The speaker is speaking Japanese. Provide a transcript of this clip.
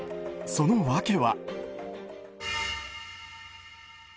その訳は。